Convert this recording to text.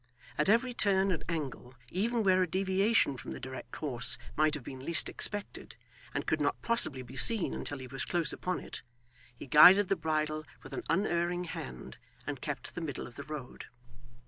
At every turn and angle, even where a deviation from the direct course might have been least expected, and could not possibly be seen until he was close upon it, he guided the bridle with an unerring hand, and kept the middle of the road.